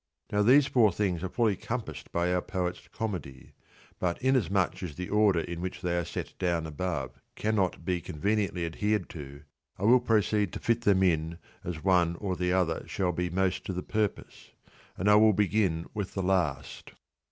Now these four things are fully compassed by our poet's Comedy ; but in as much as the order in which they are set down above can not be conveniently adhered to, I will proceed to fit them in as one or the other shall be most to the purpose, and I will begin with the last.